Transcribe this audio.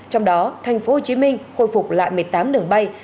trong đó thành phố hồ chí minh khôi phục lại một mươi tám đường bay